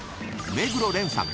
［目黒蓮さん